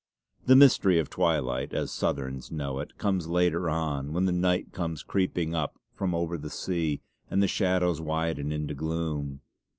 The mystery of twilight, as Southerns know it, comes later on, when the night comes creeping up from over the sea, and the shadows widen into gloom.